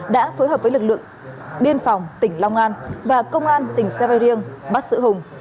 đã phối hợp với lực lượng biên phòng tỉnh long an và công an tỉnh severien bắt giữ hùng